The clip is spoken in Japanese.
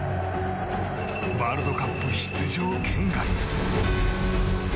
ワールドカップ出場圏外に。